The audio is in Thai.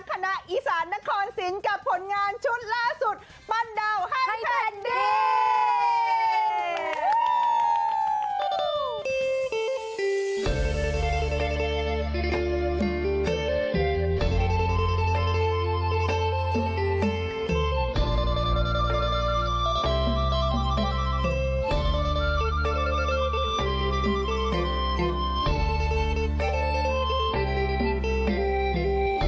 คณะอีสานนครสินกับผลงานชุดล่าสุดปั้นดาวให้แผ่นดิน